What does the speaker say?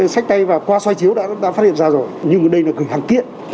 sách tay và qua xoay chiếu đã phát hiện ra rồi nhưng đây là gửi hàng tiện